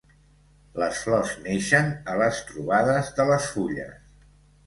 Les flors neixen a les trobades de les fulles.